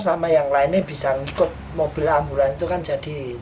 sama yang lainnya bisa ngikut mobil ambulan itu kan jadi